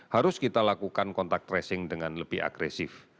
harus kita lakukan kontak tracing dengan lebih agresif